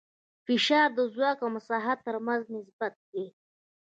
فشار د ځواک او مساحت تر منځ نسبت دی.